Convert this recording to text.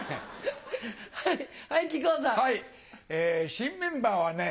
新メンバーはね